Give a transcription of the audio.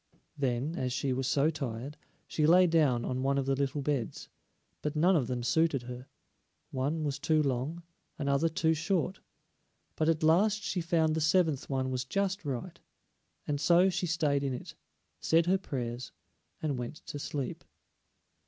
Then, as she was so tired, she lay down on one of the little beds, but none of them suited her; one was too long, another too short; but at last she found the seventh one was just right, and so she stayed in it, said her prayers, and went to sleep.